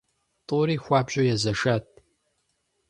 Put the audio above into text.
ТӀури хуабжьу езэшат.